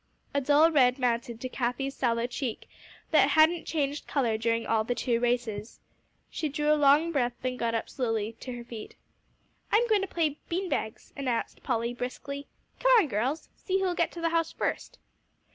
A dull red mounted to Cathie's sallow cheek, that hadn't changed color during all the two races. She drew a long breath, then got up slowly to her feet. "I'm going to play bean bags," announced Polly briskly. "Come on, girls. See who'll get to the house first."